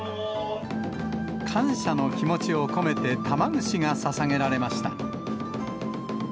感謝の気持ちを込めて玉串がささげられました。